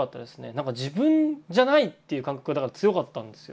なんか自分じゃないっていう感覚がだから強かったんですよ。